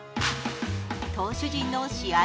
投手陣の試合